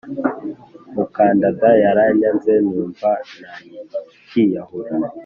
Mukadada yaranyanze numva nakiyahura